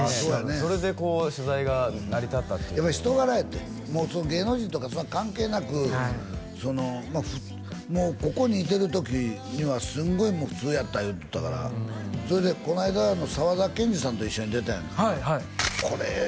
それで取材が成り立ったやっぱ人柄やってもう芸能人とかそんなの関係なくそのもうここにいてる時にはすんごいもう普通やった言うとったからそれでこの間沢田研二さんと一緒に出たやんかはいはいこれええ